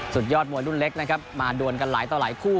ยอดมวยรุ่นเล็กนะครับมาดวนกันหลายต่อหลายคู่